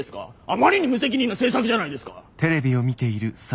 あまりに無責任な政策じゃないですか！